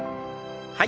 はい。